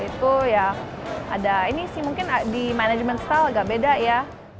jadi itu ya ada ini sih mungkin di management style agak beda ya